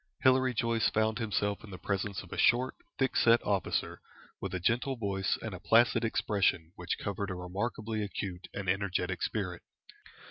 Hilary Joyce found himself in the presence of a short, thick set officer, with a gentle voice and a placid expression which covered a remarkably acute and energetic spirit.